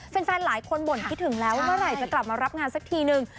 แฟนหลายคนบ่นคิดถึงแล้วเมื่อไหร่จะกลับมารับงานสักทีนึง